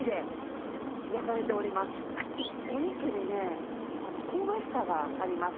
お肉にね香ばしさがあります。